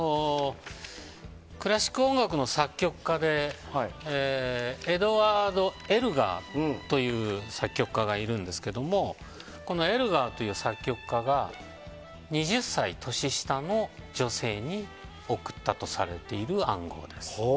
クラシック音楽の作曲家でエドワード・エルガーという作曲家がいるんですがこのエルガーという作曲家が２０歳年下の女性に送ったとされている暗号です。